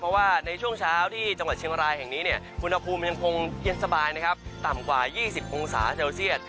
เพราะว่าในช่วงเช้าที่จังหวัดเชียงรายแห่งนี้อุณหภูมิยังคงเย็นสบายนะครับต่ำกว่า๒๐องศาเซลเซียต